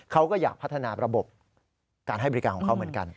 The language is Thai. เขาก็อยากพัฒนาระบบการให้บริการของเขาเหมือนกัน